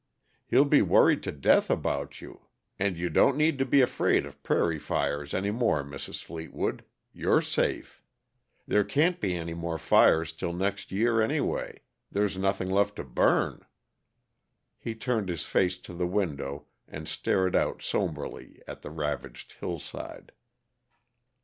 He'll be worried to death about you. And you don't need to be afraid of prairie fires any more, Mrs. Fleetwood; you're safe. There can't be any more fires till next year, anyway; there's nothing left to burn." He turned his face to the window and stared out somberly at the ravaged hillside.